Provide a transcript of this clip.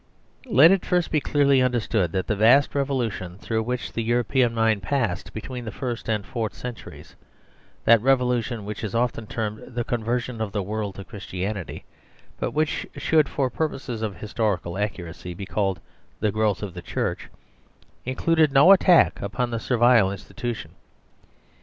Let it first be clearly understood that the vast re volution through which the European mind passed bet ween the first and the fourth centuries (that revolu tion which is often termed the Conversion of the World to Christianity, but which should for purposes of his torical accuracy be called the Growth of the Church) included no attack upon the Servile Institution.